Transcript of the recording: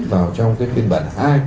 vào trong cái phiên bản hai